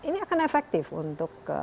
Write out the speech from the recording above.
ini akan efektif untuk